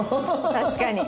確かに。